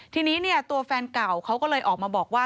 ทีนี้เนี่ยตัวแฟนเก่าเขาก็เลยออกมาบอกว่า